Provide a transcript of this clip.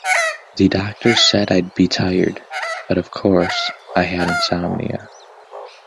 The doctors said I'd be tired-but of course I had insomnia.